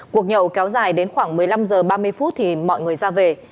cuộc nhậu kéo dài đến khoảng một mươi năm h ba mươi phút thì mọi người ra về